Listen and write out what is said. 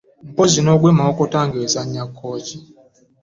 Mpozzi n'ogwa Mawokota ng'ezannya Kkooki.